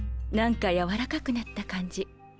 何かやわらかくなった感じ。